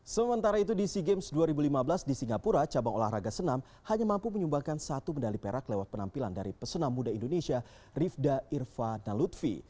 sementara itu di sea games dua ribu lima belas di singapura cabang olahraga senam hanya mampu menyumbangkan satu medali perak lewat penampilan dari pesenam muda indonesia rivda irva nalutvi